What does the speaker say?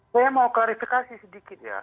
saya mau klarifikasi sedikit ya